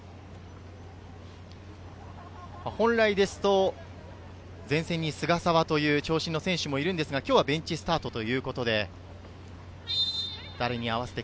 本来ですと、前線に菅澤という長身の選手がいるのですが、今日はベンチスタートです。